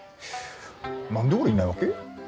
何で俺いないわけ？